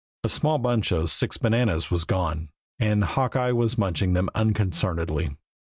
A small bunch of six bananas was gone, and Hawkeye was munching them unconcernedly.